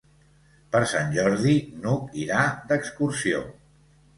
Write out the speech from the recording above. Per Sant Jordi n'Hug irà d'excursió.